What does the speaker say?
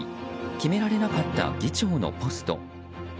決められなかった議長のポスト。